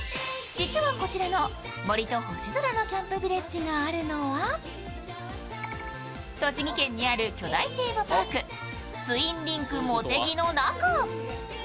実はこちらの森と星空のキャンプヴィレッジがあるのは栃木県にある巨大テーマパーク、ツインリンクもてぎの中。